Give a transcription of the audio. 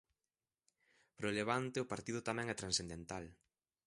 Para o Levante o partido tamén é transcendental.